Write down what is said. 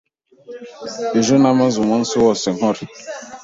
Ejo namaze umunsi wose nkora.